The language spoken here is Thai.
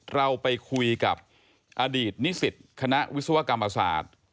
เราไปคุยกับอดีตนิสิตคณะวิศวกรรมศาสตร์